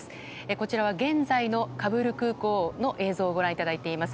こちらは現在のカブール空港の映像をご覧いただいています。